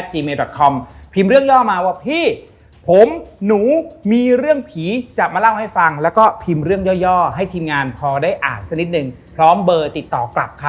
เหมือนดวงตกขอบพ่อหลวงพ่อก็บอกว่า